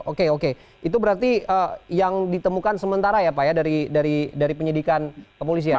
oke oke itu berarti yang ditemukan sementara ya pak ya dari penyidikan kepolisian